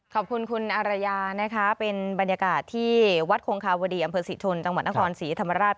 ขอบคุณคุณอารยานะคะเป็นบรรยากาศที่วัดคงคาวดีอำเภอศรีชนจังหวัดนครศรีธรรมราช